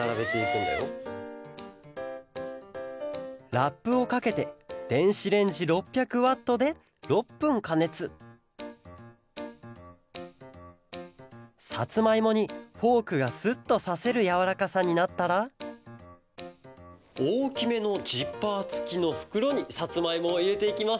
ラップをかけてでんしレンジ６００ワットで６ぷんかねつサツマイモにフォークがスッとさせるやわらかさになったらおおきめのジッパーつきのふくろにサツマイモをいれていきます。